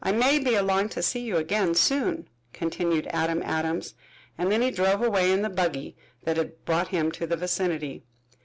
"I may be along to see you again soon," continued Adam Adams, and then he drove away in the buggy that had brought him to the vicinity.